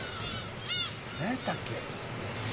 なんやったっけ？